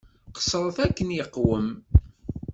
Qeṣṣṛet akken iqwem.